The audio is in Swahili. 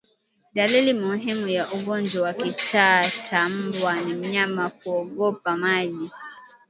Dalili muhimu ya ugonjwa wa kichaa cha mbwa ni mnyama kuogopa maji